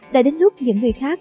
đã đến lúc những người khác